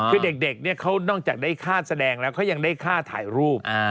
คือเด็กเนี่ยเขานอกจากได้ค่าแสดงแล้วเขายังได้ค่าถ่ายรูป